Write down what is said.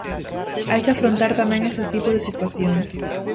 Hai que afrontar tamén ese tipo de situación.